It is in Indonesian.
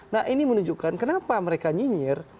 nah ini menunjukkan kenapa mereka nyinyir